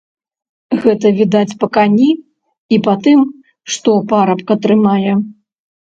Гэта відаць па кані і па тым, што парабка трымае.